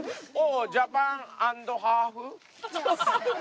ジャパンアンドハーフ？